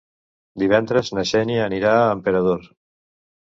Divendres na Xènia anirà a Emperador.